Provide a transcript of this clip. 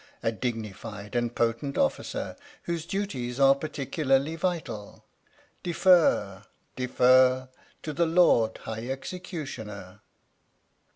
j A dignified and potent Officer Whose duties are particularly vital. Defer defer To the Lord High Executioner!